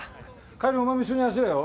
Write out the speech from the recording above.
帰りお前も一緒に走れよ。